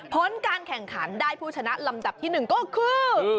ผลการแข่งขันได้ผู้ชนะลำดับที่๑ก็คือ